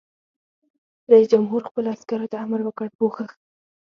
رئیس جمهور خپلو عسکرو ته امر وکړ؛ پوښښ!